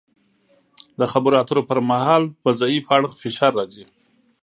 د خبرو اترو پر مهال په ضعیف اړخ فشار راځي